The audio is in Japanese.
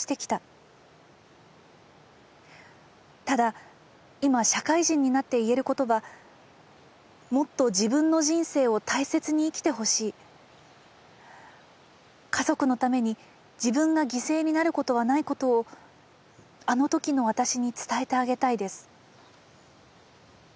ただ今社会人になって言える事は『もっと自分の人生を大切に生きてほしい』家族の為に自分が犠牲になることはない事をあの時の私に伝えてあげたいです」。